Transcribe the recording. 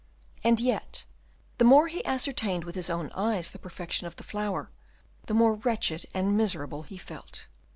And yet, the more he ascertained with his own eyes the perfection of the flower, the more wretched and miserable he felt.